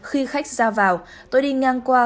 khi khách ra vào tôi đi ngang qua